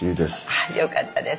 あっよかったです。